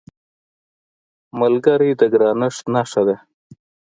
ملګری د ګرانښت نښه ده